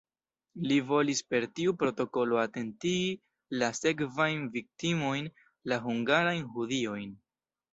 Li volis per tiu protokolo atentigi la sekvajn viktimojn, la hungarajn judojn.